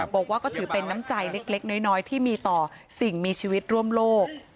บอกว่าก็ถือเป็นน้ำใจเล็กน้อยที่มีต่อสิ่งมีชีวิตร่วมโลก